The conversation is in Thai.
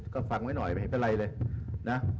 ก็ฟังไว้หน่อยไม่เป็นไรเลย